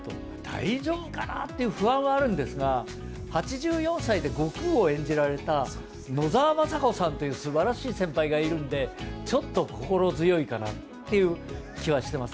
大丈夫かな？という不安はあるんですが、８４歳で悟空を演じられた野沢雅子さんというすばらしい先輩がいるんで、ちょっと心強いかなっていう気はしてます。